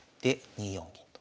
２四銀と。